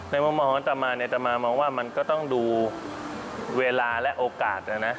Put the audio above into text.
มุมมองของอัตมาเนี่ยตามมามองว่ามันก็ต้องดูเวลาและโอกาสนะนะ